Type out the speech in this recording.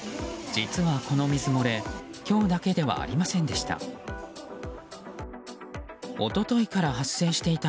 実はこの水漏れ今日だけではありませんでした。